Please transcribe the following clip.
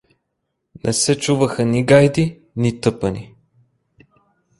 Не се чуваха ни гайди, ни тъпани.